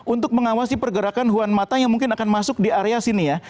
untuk mengawasi pergerakan huan mata yang mungkin akan masuk di area sini ya